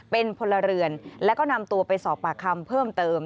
เป็นพลเรือนแล้วก็นำตัวไปสอบปากคำเพิ่มเติม